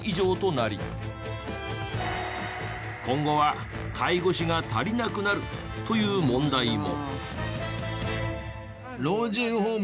今後は介護士が足りなくなるという問題も。